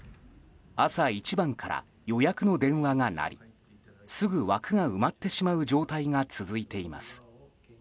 朝一番から予約の電話が鳴りすぐ枠が埋まってしまう状態が続いています。